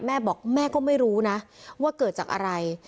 แม่บอกแม่ก็ไม่รู้นะว่าเกิดจากอะไร